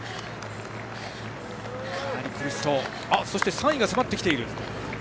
３位が迫ってきている。